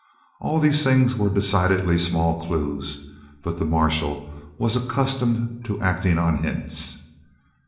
All these things were decidedly small clews, but the marshal was accustomed to acting on hints.